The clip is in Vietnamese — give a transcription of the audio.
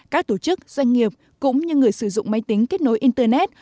các tổ chức doanh nghiệp cũng như người sử dụng máy tính kết nối internet